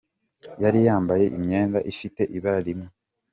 Yari yambaye imyenda ifite ibara rimwe